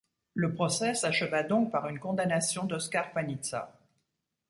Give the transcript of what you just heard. Le procès s'acheva donc par une condamnation d'Oskar Panizza.